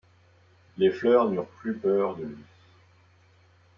Les fleurs n'eurent plus peur de lui.